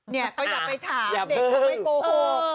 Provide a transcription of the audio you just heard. เนี่ยเขาอย่าไปถามเด็กเขาไม่โกหก